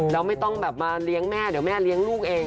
แล้วไม่ต้องแบบมาเลี้ยงแม่เดี๋ยวแม่เลี้ยงลูกเอง